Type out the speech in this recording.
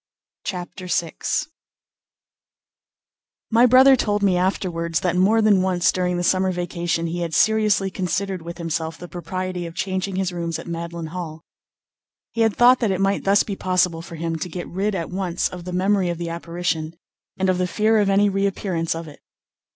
CHAPTER VI My brother told me afterwards that more than once during the summer vacation he had seriously considered with himself the propriety of changing his rooms at Magdalen Hall. He had thought that it might thus be possible for him to get rid at once of the memory of the apparition, and of the fear of any reappearance of it.